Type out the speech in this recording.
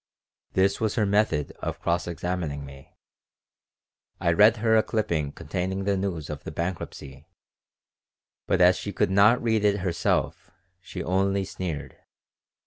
This was her method of cross examining me. I read her a clipping containing the news of the bankruptcy, but as she could not read it herself, she only sneered.